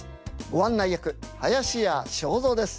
ご案内役林家正蔵です。